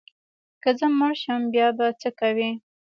که زه مړ شم بیا به څه کوې؟